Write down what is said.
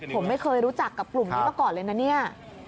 ผมไม่เคยรู้จักกับกลุ่มนี้มาก่อนเลยนะเนี่ย